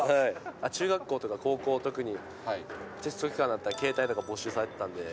中学校とか、高校特に、テスト期間になったら没収されてたんで。